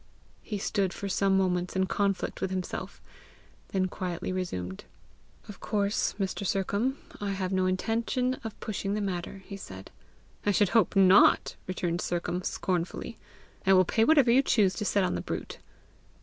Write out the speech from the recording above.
He stood for some moments in conflict with himself, then quietly resumed. "Of course, Mr. Sercombe, I have no intention of pushing the matter!" he said. "I should hope not!" returned Sercombe scornfully. "I will pay whatever you choose to set on the brute."